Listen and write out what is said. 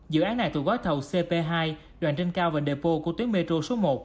dự án này thuộc gói thầu cp hai đoạn trên cao và đề bô của tuyến metro số một